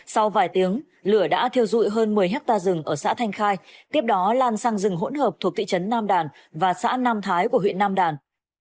sau vài tiếng lửa đã thiêu dụi hơn một mươi hectare rừng ở xã thanh khai tiếp đó lan sang rừng hỗn hợp thuộc thị trấn nam đàn và xã nam thái của huyện nam đàn